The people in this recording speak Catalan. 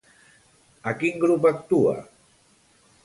A quin grup actua?